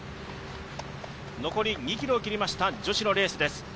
残り２ｋｍを切りました女子のレースです。